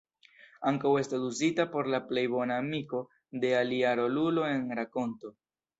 Ankaŭ estas uzita por la plej bona amiko de alia rolulo en rakonto.